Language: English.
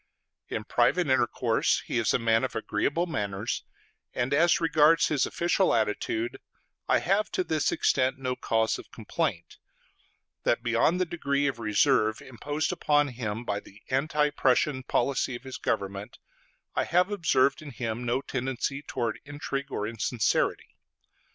In private intercourse he is a man of agreeable manners; and as regards his official attitude, I have to this extent no cause of complaint that beyond the degree of reserve imposed upon him by the anti Prussian policy of his government, I have observed in him no tendency towards intrigue or insincerity.